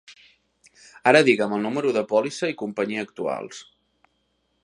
Ara digues-me el número de pòlissa i companyia actuals.